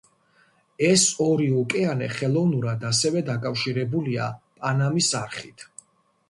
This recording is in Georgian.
ეს ორი ოკეანე ხელოვნურად ასევე დაკავშირებულია პანამის არხით.